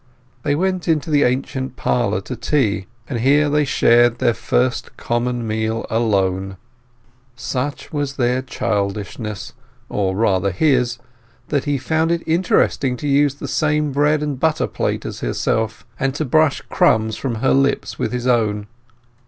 They went into the ancient parlour to tea, and here they shared their first common meal alone. Such was their childishness, or rather his, that he found it interesting to use the same bread and butter plate as herself, and to brush crumbs from her lips with his own.